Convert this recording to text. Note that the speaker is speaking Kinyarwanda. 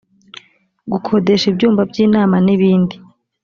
gukodesha ibyumba by inama n ibindi